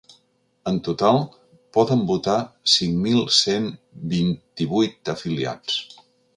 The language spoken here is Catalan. En total, poden votar cinc mil cent vint-i-vuit afiliats.